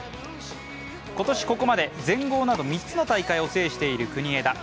今年、ここまで全豪など３つの大会を制している国枝。